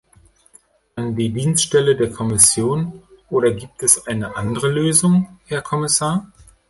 An die Dienststelle der Kommission, oder gibt es eine andere Lösung, Herr Kommissar?